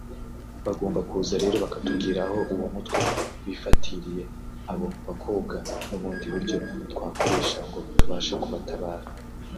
Bagomba kuza rero bakatubwira aho uwo mutwe wafatiriye abo bakobwa n’ubundi buryo twakoresha ngo tubashe kubatabara